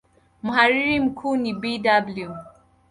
Mhariri mkuu ni Bw.